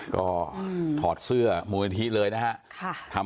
ก็ถอดเสื้อมูลนิธิเลยนะครับ